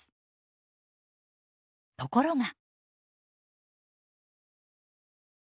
ところが。